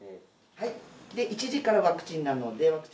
１時からワクチンなので。